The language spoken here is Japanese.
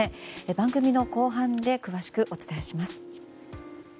番組の後半で詳しくお伝えします。